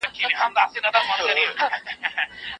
ژوند د مانا بېلو درلودل دي.